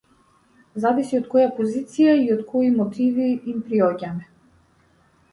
Зависи од која позиција и од кои мотиви им приоѓаме.